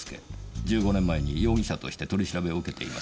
１５年前に容疑者として取り調べを受けています。